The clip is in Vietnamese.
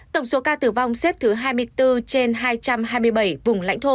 tổng số ca tử vong xếp thứ hai mươi bốn trên hai trăm hai mươi bảy vùng lãnh thổ